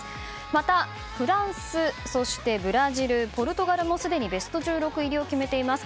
また、フランス、ブラジルポルトガルもすでにベスト１６入りを決めています。